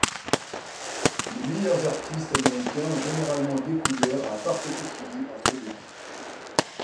Les meilleurs artistes américains ont généralement découvert un parfait équilibre entre les deux.